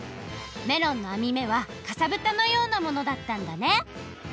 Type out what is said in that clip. メロンのあみ目はかさぶたのようなものだったんだね！